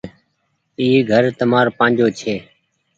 اي گھر تمآر پآجو ڇي۔